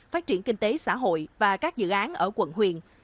phát triển kinh tế xã hội và các dự án ở quận huyện